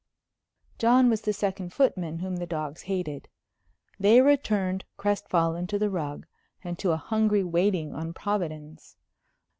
John was the second footman, whom the dogs hated. They returned crestfallen to the rug and to a hungry waiting on Providence.